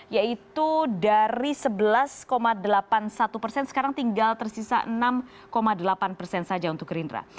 yaitu dari sebelas delapan puluh satu persen sekarang tinggal tersisa enam delapan persen saja untuk gerindra